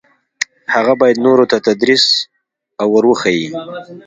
هغه باید نورو ته تدریس او ور وښيي.